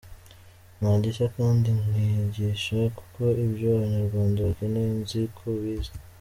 Ntagishya kandi nkwigisha kuko ibyo abanyarwanda bakeneye nzi ko ubizi.